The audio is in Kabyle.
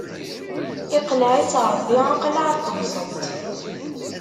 Iqleɛ-itt Ṛebbi aqlaɛ n tebṣelt.